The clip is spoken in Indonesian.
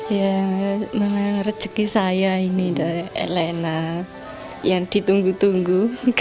ya memang rezeki saya ini dari elena yang ditunggu tunggu